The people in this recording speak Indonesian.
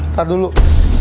ntar dulu pak